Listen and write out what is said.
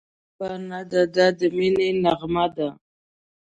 دا ژبه نه ده، دا د مینې نغمه ده»